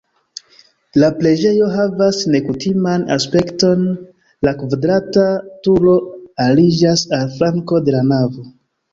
La preĝejo havas nekutiman aspekton, la kvadrata turo aliĝas al flanko de la navo.